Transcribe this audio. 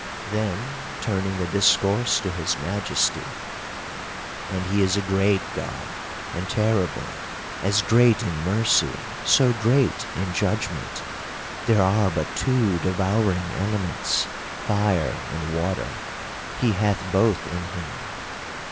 Then, turning the discourse to his majesty, —" and he is a great God, and terrible; as great in mercy, so great in judgment! There are but two devouring elements, fire and water ; he hath both in him.